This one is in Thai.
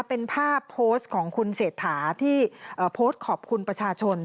เป็นภาพโพสต์ของคุณเศรษฐาที่โพสต์ขอบคุณประชาชน